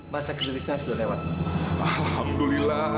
pak aku mau pergi